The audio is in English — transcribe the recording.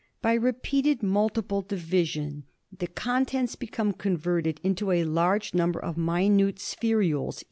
By repeated multiple division the contents become converted into a large number of minute spherules.